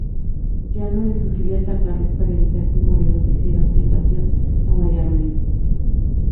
Llano le sugirió atacarles para evitar que Morelos hiciera otra invasión a Valladolid.